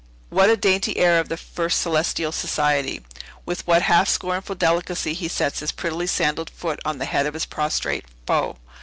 What a dainty air of the first celestial society! With what half scornful delicacy he sets his prettily sandalled foot on the head of his prostrate foe!